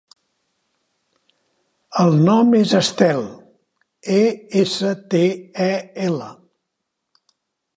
El nom és Estel: e, essa, te, e, ela.